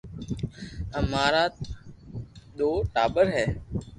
امارآ نو ٽاٻر ھي